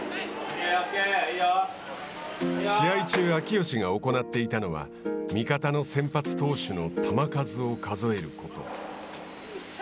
試合中、秋吉が行っていたのは味方の先発投手の球数を数えること。